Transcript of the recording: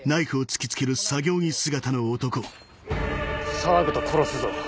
騒ぐと殺すぞ。